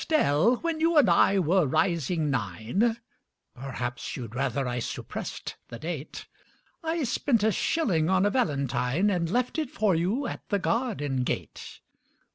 ] ESTELLE, when you and I were rising nine Perhaps you'd rather I suppressed the date I spent a shilling on a valentine And left it for you at the garden gate.